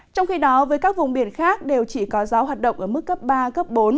trong khi đó với các vùng biển khác đều chỉ có gió hoạt động ở mức cấp ba bốn